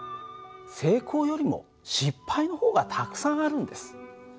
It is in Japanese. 成功よりも失敗の方がたくさんあるんです。